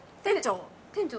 店長？